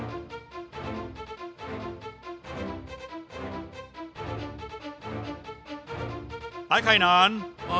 ท้ายค่านาน